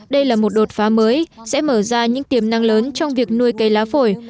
đây là một đột phá mới sẽ mở ra những tiềm năng lớn trong việc nuôi cây lá phổi